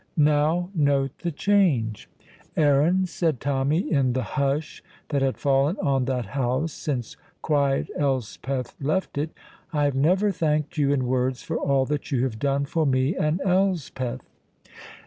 Now note the change. "Aaron," said Tommy, in the hush that had fallen on that house since quiet Elspeth left it, "I have never thanked you in words for all that you have done for me and Elspeth."